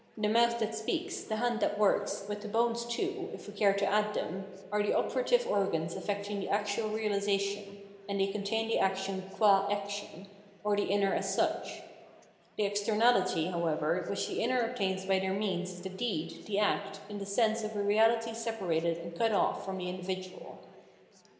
The mouth that speaks, the hand that works, with the bones too, if we care to add them, are the operative organs effecting the actual reahsation, and they contain the action qua action, or the inner as such ; the externality, however, which the inner obtains by their means is the deed, the act, in the sense of a reality separated and cut off from the individual.